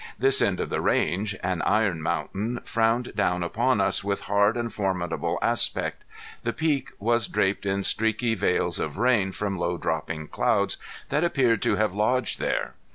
This end of the range, an iron mountain, frowned down upon us with hard and formidable aspect. The peak was draped in streaky veils of rain from low dropping clouds that appeared to have lodged there.